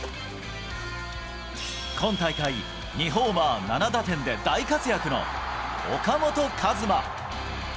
今大会、２ホーマー７打点で大活躍の岡本和真。